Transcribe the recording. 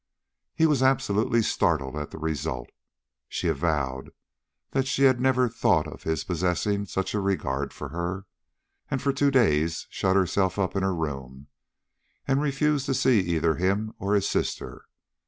He was absolutely startled at the result. She avowed that she had never thought of his possessing such a regard for her; and for two days shut herself up in her room and refused to see either him or his sister.